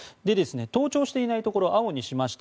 登庁していないところを青にしました。